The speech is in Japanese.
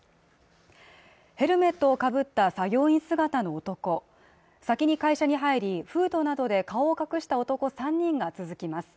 ヘルメットをかぶった作業員姿の男先に会社に入り、フードなどで顔を隠した男３人が続きます。